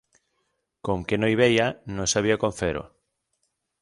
Com que no hi veia, no sabia com fer-ho.